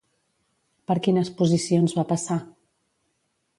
Per quines posicions va passar?